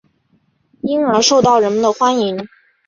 因而受到人们的欢迎。